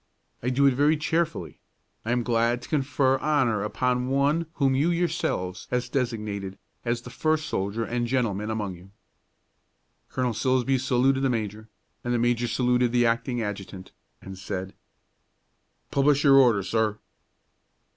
I do it very cheerfully; I am glad to confer honor upon one whom you yourselves have designated as the first soldier and gentleman among you." Colonel Silsbee saluted the major, and the major saluted the acting adjutant, and said, "Publish your Order, sir."